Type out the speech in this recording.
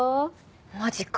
マジか。